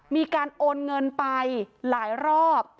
มีการโอนเงินไปหลายรอบ